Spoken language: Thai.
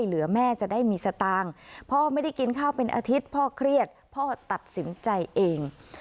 เหลือแม่จะได้มีสตางค์พ่อไม่ได้กินข้าวเป็นอาทิตย์พ่อเครียดพ่อตัดสินใจเอง